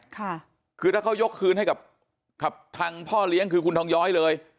ค่ะคือถ้าเขายกคืนให้กับทางพ่อเลี้ยงคือคุณทองย้อยเลย